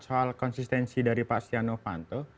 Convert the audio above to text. soal konsistensi dari pak setia novanto